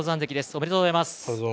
おめでとうございます。